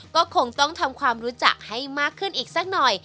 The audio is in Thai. ก็คงต้องทำความรู้จักให้มากขึ้นอีกสักหน่อย